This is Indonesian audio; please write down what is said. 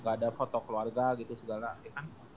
ga ada foto keluarga gitu segala gitu kan